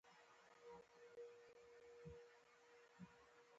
زموږ په غره کي د ماخۍ بوټي هم سته.